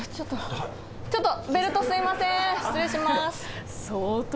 ちょっとベルトすいません失礼します